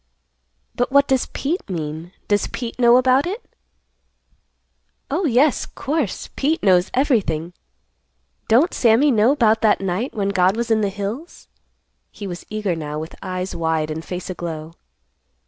"But what does Pete mean? Does Pete know about it?" "Oh, yes, course Pete knows everything. Don't Sammy know 'bout that night when God was in the hills?" He was eager now, with eyes wide and face aglow.